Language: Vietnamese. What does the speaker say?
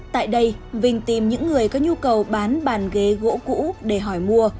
tại đây vinh tìm những người có nhu cầu bán bàn ghế gỗ cũ để hỏi mua